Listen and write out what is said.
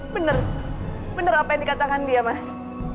bener bener apa yang dikatakan dia mas